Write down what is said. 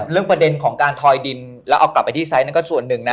ประเด็นของการทอยดินแล้วเอากลับไปที่ไซส์นั้นก็ส่วนหนึ่งนะ